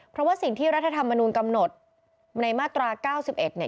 เพราะว่าสิ่งที่รัฐธรรมนูลกำหนดในมาตรา๙๑เนี่ย